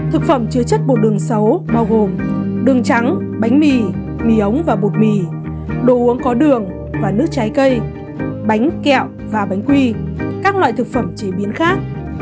thực phẩm chứa chất bột đường xấu bao gồm đường trắng bánh mì mía ống và bột mì đồ uống có đường và nước trái cây bánh kẹo và bánh quy các loại thực phẩm chế biến khác